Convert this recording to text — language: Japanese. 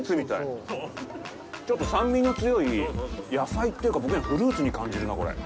ちょっと酸味の強い野菜というか、僕にはフルーツに感じるなぁ、これ。